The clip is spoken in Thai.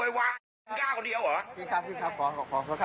ด้วยความเคารพนะคุณผู้ชมในโลกโซเชียล